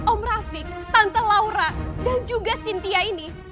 om rafiq tante laura dan juga cynthia ini